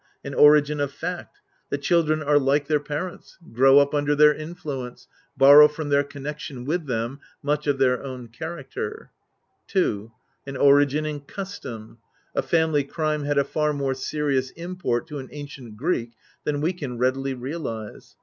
An origin of fact : that children are like their * See Ft. 295. PREFACE xxiii parents, grow up under their influence, borrow from their connection with them much of their own character. II. An origin in custom. K family crime had a far more serious import to an ancient Greek than we can readily realise.